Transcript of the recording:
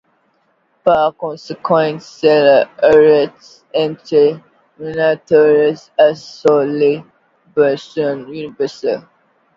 Par conséquent, cela aurait entraîné une théorie axée sur le besoin universel.